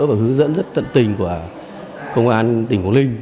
và hướng dẫn rất tận tình của công an tỉnh quảng ninh